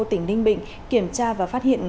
tỉnh ninh bình kiểm tra và phát hiện